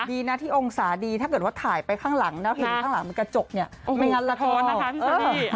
ดีนะที่องศาดีถ้าเกิดว่าถ่ายไปข้างหลังนะเห็นข้างหลังมันกระจกเนี่ยไม่งั้นละครนะคะ